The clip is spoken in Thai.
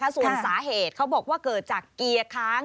ส่วนสาเหตุเขาบอกว่าเกิดจากเกียร์ค้าง